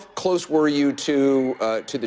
anda berapa dekat dengan